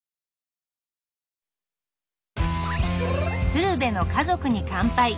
「鶴瓶の家族に乾杯」。